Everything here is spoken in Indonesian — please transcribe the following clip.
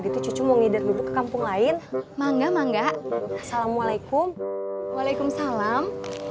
gitu cucu mau ngidar ibu ke kampung lain mangga mangga assalamualaikum waalaikumsalam